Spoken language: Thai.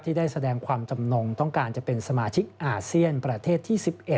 ได้แสดงความจำนงต้องการจะเป็นสมาชิกอาเซียนประเทศที่๑๑